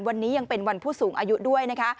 วันนี้ยังเป็นวันผู้สูงอายุด้วยนะคะ